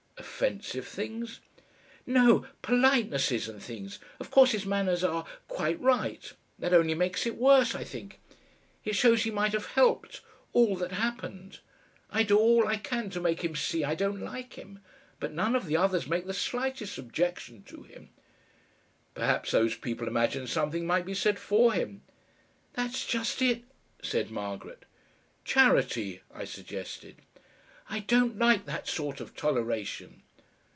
"Offensive things?" "No, politenesses and things. Of course his manners are quite right. That only makes it worse, I think. It shows he might have helped all that happened. I do all I can to make him see I don't like him. But none of the others make the slightest objection to him." "Perhaps these people imagine something might be said for him." "That's just it," said Margaret. "Charity," I suggested. "I don't like that sort of toleration."